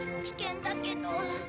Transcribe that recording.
危険だけど。